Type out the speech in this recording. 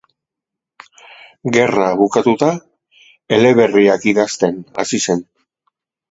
Gerra bukatuta eleberriak idazten hasi zen.